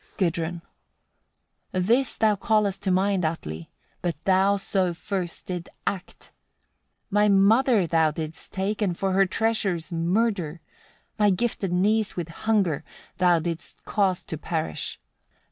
Gudrun. 53. "This thou callest to mind, Atli! but thou so first didst act: my mother thou didst take, and for her treasures murder; my gifted niece with hunger thou didst cause to perish.